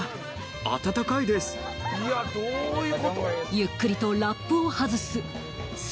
ゆっくりとラップを外す。